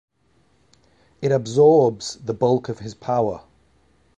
It absorbs the bulk of his power.